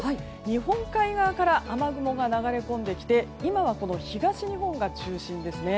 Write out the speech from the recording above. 日本海側から雨雲が流れ込んできて今は、東日本が中心ですね。